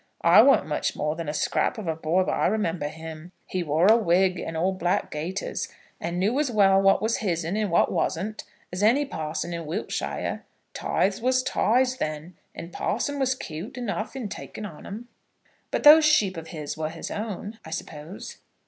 I warn't much more than a scrap of a boy, but I remember him. He wore a wig, and old black gaiters; and knew as well what was his'n and what wasn't as any parson in Wiltshire. Tithes was tithes then; and parson was cute enough in taking on 'em." "But these sheep of his were his own, I suppose?"